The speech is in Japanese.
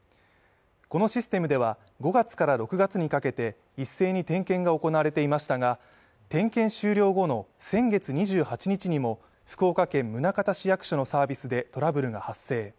このシステムでは、５月から６月にかけて一斉に点検が行われていましたが、点検終了後の先月２８日にも福岡県宗像市役所のサービスでトラブルが発生。